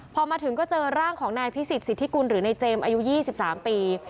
พอมาถึงก็เจอร่างของนายพิสิทธิสิทธิกุลหรือนายเจมส์อายุ๒๓ปี